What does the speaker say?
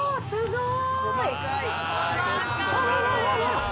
すごい。